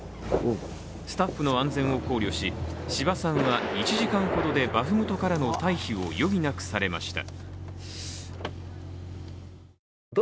スタッフの安全を考慮し、志葉さんは１時間ほどでバフムトからの退避を余儀なくされました。